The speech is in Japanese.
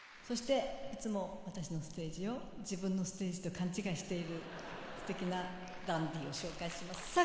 そしていつも私のステージを自分のステージと勘違いしているすてきなダンディーを紹介します。